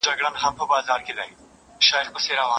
ضمناً ګران کلیوال ته